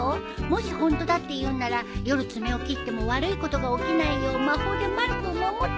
もしホントだっていうなら夜爪を切っても悪いことが起きないよう魔法でまる子を守ってよ！